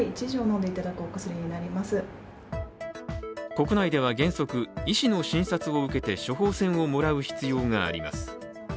国内では原則、医師の診察を受けて処方箋をもらう必要があります。